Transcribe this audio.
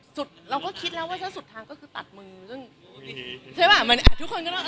สุดเราก็คิดแล้วว่าถ้าสุดทางก็คือตัดมึงใช่ป่ะมันทุกคนก็น่าว